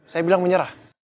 saya bilang menyerah